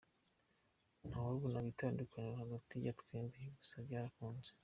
Nta wabonaga itandukaniro hagati ya twembi gusa byarakunze.